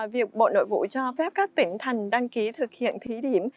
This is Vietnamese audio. việc bộ nội vụ cho phép các tỉnh thần đăng ký thực hiện thí điểm